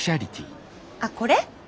あっこれ？